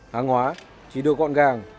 hàng hóa chỉ được gọn gàng